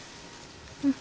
うん。